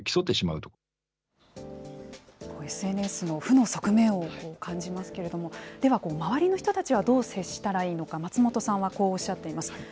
ＳＮＳの負の側面を感じますけれども、では周りの人たちはどう接したらいいのか、松本さんはこうおっしゃっています。